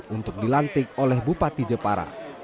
untuk dilantik oleh bupati jepara